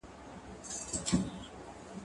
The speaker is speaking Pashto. خواړه د زهشوم له خوا ورکول کيږي!؟